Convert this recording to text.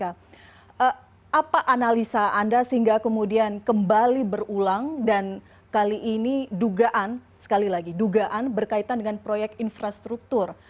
apa analisa anda sehingga kemudian kembali berulang dan kali ini dugaan sekali lagi dugaan berkaitan dengan proyek infrastruktur